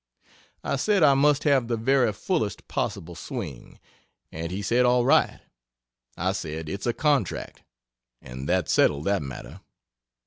I said I must have the very fullest possible swing, and he said "all right." I said "It's a contract " and that settled that matter.